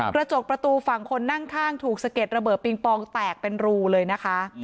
กระจกประตูฝั่งคนนั่งข้างถูกสะเก็ดระเบิดปิงปองแตกเป็นรูเลยนะคะ